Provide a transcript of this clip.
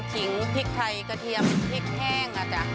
ขิงพริกไทยกระเทียมพริกแห้งอ่ะจ๊ะ